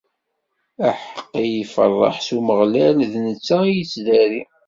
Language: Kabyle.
Aḥeqqi iferreḥ s Umeɣlal, d netta i yettdari.